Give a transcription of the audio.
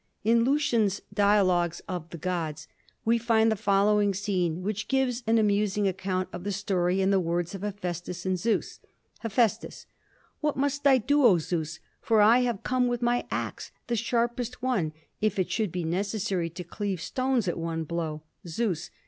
In Lucian's "Dialogues of the Gods" we find the following scene which gives an amusing account of the story in the words of Hephæstus and Zeus. Hephæstus. "What must I do, O Zeus? For I have come with my ax, the sharpest one, if it should be necessary to cleave stones at one blow." _Zeus.